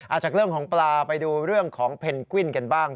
จากเรื่องของปลาไปดูเรื่องของเพนกวิ้นกันบ้าง